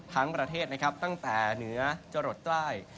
ประเทศนะครับตั้งแต่เหนือจรดใต้